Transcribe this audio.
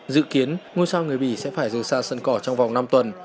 dự kiến ngôi sao người bỉ sẽ phải rời xa sân cỏ trong vòng năm tuần